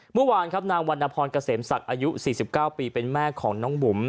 เมื่อวานครับนางวรรณพรเกษมศักดิ์อายุ๔๙ปีเป็นแม่ของน้องบุ๋ม